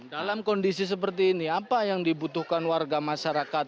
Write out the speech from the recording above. dalam kondisi seperti ini apa yang dibutuhkan warga masyarakat